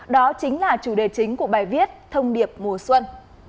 đó chính là chủ đề chính của bài viết thông điệp mùa xuân